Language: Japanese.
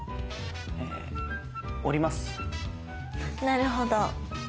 えなるほど。